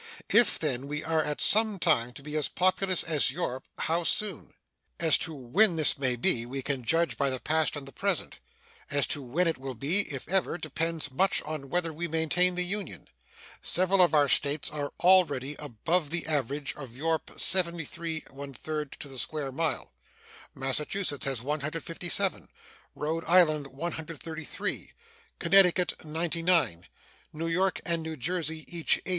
If, then, we are at some time to be as populous as Europe, how soon? As to when this may be, we can judge by the past and the present; as to when it will be, if ever, depends much on whether we maintain the Union. Several of our States are already above the average of Europe 73 1/3 to the square mile. Massachusetts has 157; Rhode Island, 133; Connecticut, 99; New York and New Jersey, each 80.